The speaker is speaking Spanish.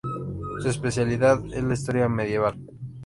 Su especialidad es la Historia Medieval.